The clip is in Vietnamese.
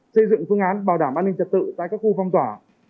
xây dựng phương án bảo đảm an ninh trật tự tại các khu phong tỏa